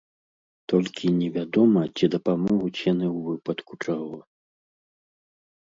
Толькі невядома, ці дапамогуць яны ў выпадку чаго.